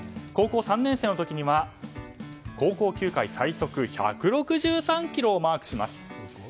高校３年生の時には高校球界最速１６３キロをマークします。